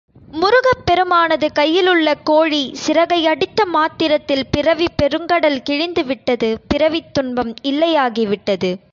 முருகப் பெருமானது கையிலுள்ள கோழி சிறகை அடித்த மாத்திரத்தில் பிறவிப் பெருங்கடல் கிழிந்துவிட்டது பிறவித் துன்பம் இல்லையாகி விட்டது.